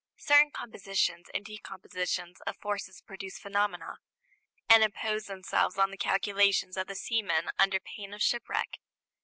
Certain compositions and decompositions of forces produce phenomena, and impose themselves on the calculations of the seaman under pain of shipwreck.